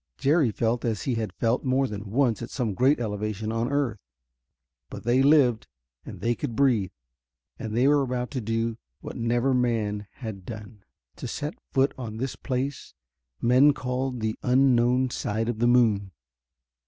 Jerry felt as he had felt more than once at some great elevation on earth. But they lived, and they could breathe, and they were about to do what never man had done to set foot on this place men called the unknown side of the moon.